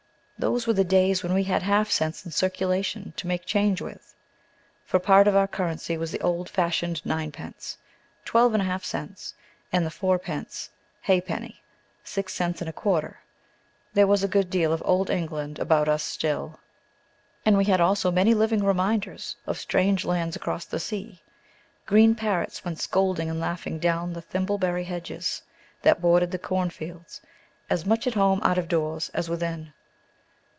Those were the days when we had half cents in circulation to make change with. For part of our currency was the old fashioned "ninepence," twelve and a half cents, and the "four pence ha'penny," six cents and a quarter. There was a good deal of Old England about us still. And we had also many living reminders of strange lands across the sea. Green parrots went scolding and laughing down the thimbleberry hedges that bordered the cornfields, as much at home out of doors as within.